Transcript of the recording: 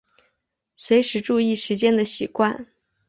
随时注意时间的习惯